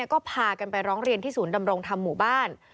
ก็พากันไปร้องเรียนที่ศูนย์ดำรงธรรมหมู่บ้าน